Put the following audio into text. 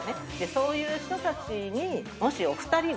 そういう人たちにもしお二人が。